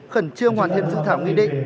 khẩn trương hoàn thiện sự thảo nguy định